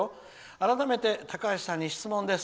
改めて高橋さんに質問です。